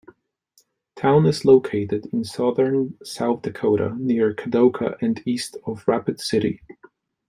Town is located in southern South Dakota near Kadoka and east of Rapid City.